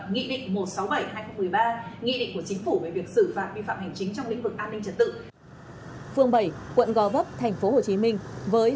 nghị định của chính phủ về việc xử phạt vi phạm hành chính trong lĩnh vực an ninh trật tự